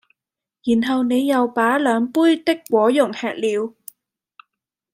然後你又把兩杯的果茸吃了